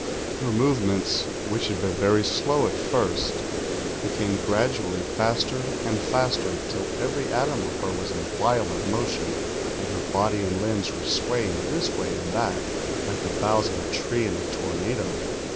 "Her movements, v^hich had been very slow at first, became gradually faster and faster, till every atom of her was in violent motion, and her body and limbs were swaying this way and that, like the boughs of a tree in a tornado.